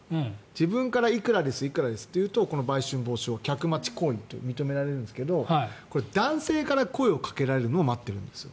自分からいくらですと言うとこの売春防止法、客待ち行為と認められるんですがこれ、男性から声をかけられるのを待ってるんです。